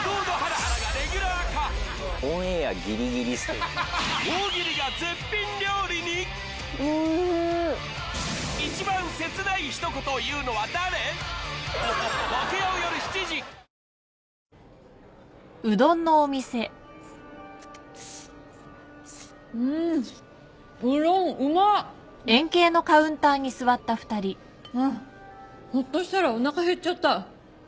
ハァほっとしたらおなか減っちゃった。